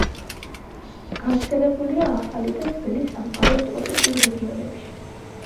გავრცელებულია ახალი და ძველი სამყაროს ტროპიკულ რეგიონებში.